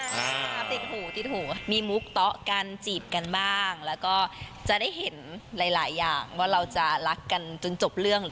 ติดหูติดหูมีมุกเตาะกันจีบกันบ้างแล้วก็จะได้เห็นหลายหลายอย่างว่าเราจะรักกันจนจบเรื่องหรือ